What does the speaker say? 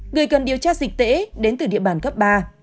người cần điều tra dịch tễ đến từ địa bàn cấp ba